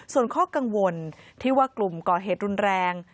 ส่วนข้อกังวลที่ว่ากลุ่มก่อเหตุรุนแรง